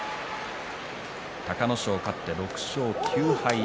隆の勝は勝って６勝９敗。